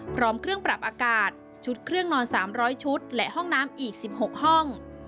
พร้อมเครื่องปรับอากาศชุดเครื่องนอน๓๐๐ชุดและห้องน้ำอีก๑๖ห้อง